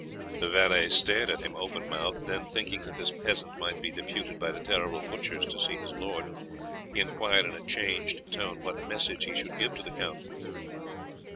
The valet stared at him open mouthed, then thinking that this peasant might be deputed by the terrible butchers to see his lord, he inquired in a changed tone what message he should give to the count.